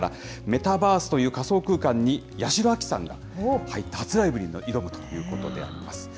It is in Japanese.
メタバースという仮想空間に、八代亜紀さんが入って、初ライブに挑むということであります。